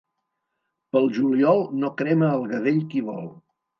Pel juliol no crema el gavell qui vol.